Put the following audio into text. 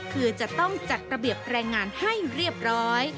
คือจะต้องจัดระเบียบแรงงานให้เรียบร้อย